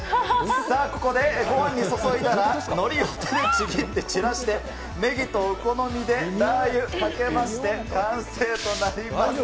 さあ、ここでごはんに注いだらのりを手でちぎって散らして、ネギとお好みでラー油かけまして、完成となります。